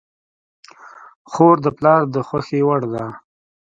خور د پلار د خوښې وړ ده.